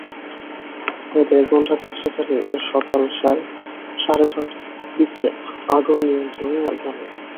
প্রায় দেড় ঘণ্টা চেষ্টা চালিয়ে সকাল সাড়ে ছয়টার দিকে আগুন নিয়ন্ত্রণে আনে।